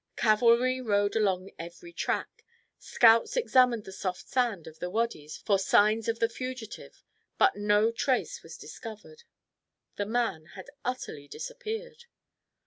Cavalry rode along every track; scouts examined the soft sand of the wadys for signs of the fugitive, but no trace was discovered. The man had utterly disappeared.